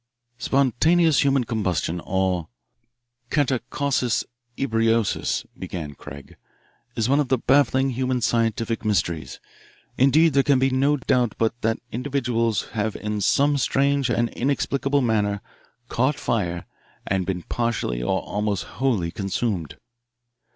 "'Spontaneous human combustion, or catacausis ebriosus,'" began Craig, "'is one of the baffling human scientific mysteries. Indeed, there can be no doubt but that individuals have in some strange and inexplicable manner caught fire and been partially or almost wholly consumed.